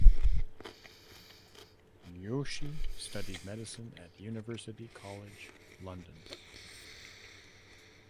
Joshi studied medicine at University College London.